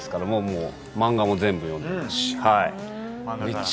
漫画も全部読んでますしはい。